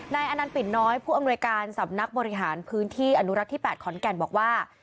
อนันต์ปิ่นน้อยผู้อำนวยการสำนักบริหารพื้นที่อนุรักษ์ที่๘ขอนแก่นบอกว่า